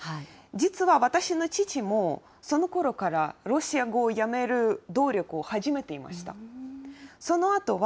実は私の父も、そのころからロシア語をやめる努力を始めていました。